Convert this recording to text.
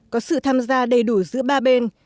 có sự tham gia đầy đủ giữa ba bên